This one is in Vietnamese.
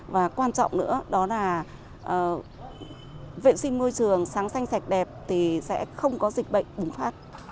và quan trọng nữa đó là vệ sinh môi trường sáng xanh sạch đẹp thì sẽ không có dịch bệnh bùng phát